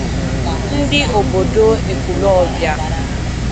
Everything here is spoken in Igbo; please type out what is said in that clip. ndị obodo Ekwulọbịa